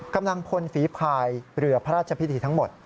กำลังพลฝีภายเรือพระราชพิธีทั้งหมด